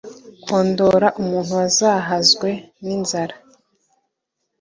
kondora umuntu wazahazwe ni nzara